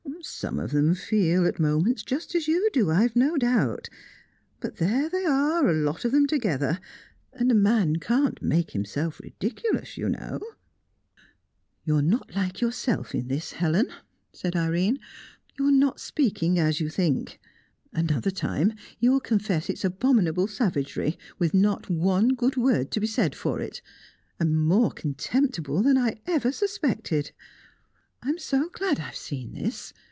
Some of them feel, at moments, just as you do, I've no doubt; but there they are, a lot of them together, and a man can't make himself ridiculous, you know." "You're not like yourself in this, Helen," said Irene. "You're not speaking as you think. Another time, you'll confess it's abominable savagery, with not one good word to be said for it. And more contemptible than I ever suspected! I'm so glad I've seen this.